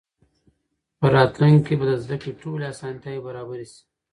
په راتلونکي کې به د زده کړې ټولې اسانتیاوې برابرې سي.